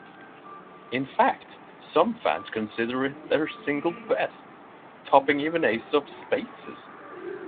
In fact, some fans consider it their single best, topping even "Ace of Spaces".